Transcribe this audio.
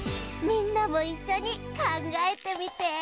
みんなもいっしょにかんがえてみて！